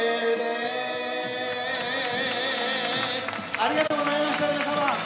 ありがとうございました、皆様。